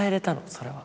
それは。